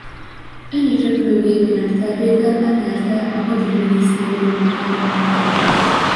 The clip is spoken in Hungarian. Egyik repülőgépének tervével elnyerte a hadügyminisztérium díját.